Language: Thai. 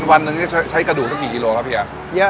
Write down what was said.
วันหนึ่งใช้กระดูกตั้งกี่กิโลครับเฮีย